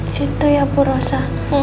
situ ya bu rosa